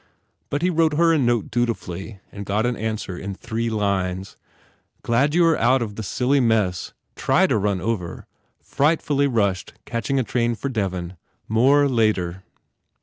But he wrote her a note dutifully and got an answer in three lines. "Glad you are out of the silly mess. Try to run over. Frightfully rushed catching a train for Devon. More later."